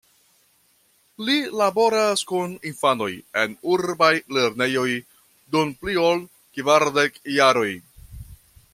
Li laboras kun infanoj en urbaj lernejoj dum pli ol kvardek jaroj.